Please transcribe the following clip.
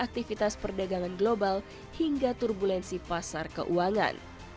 dan aktivitas perdagangan global hingga turbulensi pasar keuangan